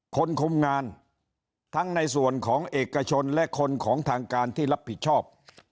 คนคุมงานทั้งในส่วนของเอกชนและคนของทางการที่รับผิดชอบ